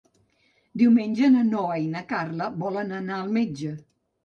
Diumenge na Noa i na Carla volen anar al metge.